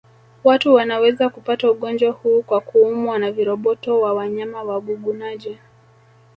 Watu wanaweza kupata ugonjwa huu kwa kuumwa na viroboto wa wanyama wagugunaji